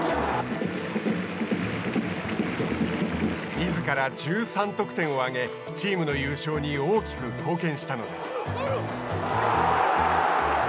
みずから１３得点を挙げチームの優勝に大きく貢献したのです。